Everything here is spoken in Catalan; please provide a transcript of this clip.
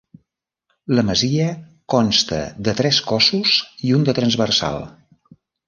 La masia consta de tres cossos i un de transversal.